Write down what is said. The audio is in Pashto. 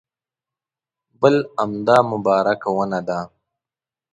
بل همدا مبارکه ونه ده.